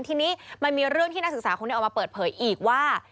ทีนี้มันมีเรื่องที่นักศึกษาคนนี้ออกมาเปิดเผยอีกว่า